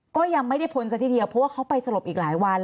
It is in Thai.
ก็ยังไม่ได้พ้นซะทีเดียวเพราะว่าเขาไปสลบอีกหลายวัน